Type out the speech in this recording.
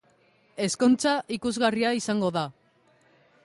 Ezkontza ikusgarria izango da.